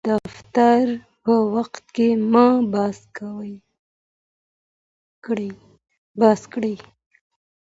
کورني ستونزې د دفتر په وخت کې مه بحث کړئ.